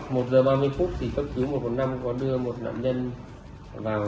một giờ ba mươi phút thì cấp cứu một trăm một mươi năm có đưa một nạn nhân vào